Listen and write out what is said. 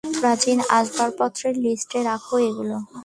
প্রাচীন আসবাপত্রের লিস্টে, রাখো এইগুলা।